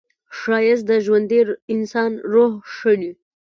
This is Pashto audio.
ښایست د ژوندي انسان روح ښيي